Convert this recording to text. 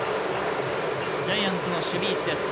ジャイアンツの守備位置です。